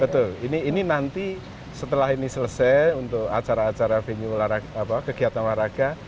betul ini nanti setelah ini selesai untuk acara acara venue kegiatan waraga